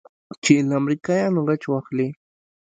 چې له امريکايانو غچ واخلې.